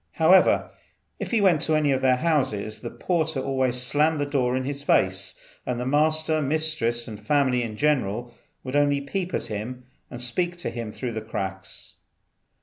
However, if he went to any of their houses the porter always slammed the door in his face, and the master, mistress, and family, in general, would only peep at, and speak to him through the cracks.